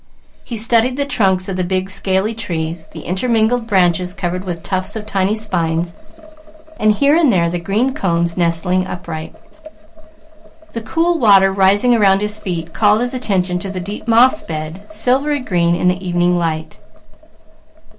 He studied the trunks of the big scaly trees, the intermingled branches covered with tufts of tiny spines, and here and there the green cones nestling upright. The cool water rising around his feet called his attention to the deep moss bed, silvery green in the evening light.